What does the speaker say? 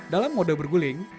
dalam mode berguling